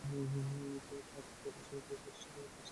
এতে আরও রয়েছে উইন্ডোজ স্টোরের অ্যাপ চালানোর ক্ষমতা।